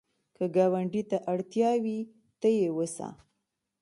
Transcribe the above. که ګاونډي ته اړتیا وي، ته یې وسه